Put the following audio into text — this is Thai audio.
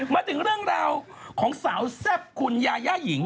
มาถึงเรื่องราวของสาวแซ่บคุณยาย่าหญิง